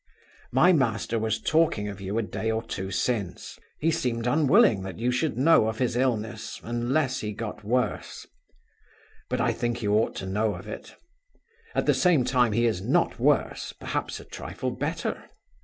"My master was talking of you a day or two since. He seemed unwilling that you should know of his illness, unless he got worse. But I think you ought to know of it. At the same time he is not worse; perhaps a trifle better.